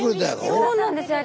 そうなんですよ。